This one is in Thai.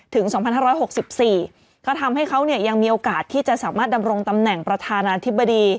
ถึงสองพันห้าร้อยหกสิบสี่ก็ทำให้เขาเนี่ยยังมีโอกาสที่จะสามารถดำลงตำแหน่งประธานาธิบดี